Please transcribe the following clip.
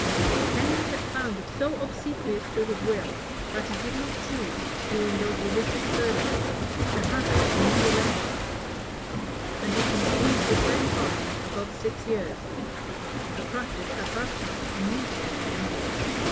Henry had found it so obsequious to his will, that he did not choose, during those religious ferments, to hazard a new election; and he continued the same parliament above six years: a practice at that time unusual in England.